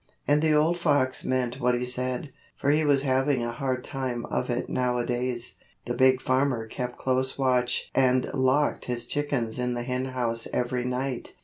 And the old fox meant what he said, for he was having a hard time of it nowadays. The Big Farmer kept close watch and locked his chickens in the Henhouse every night.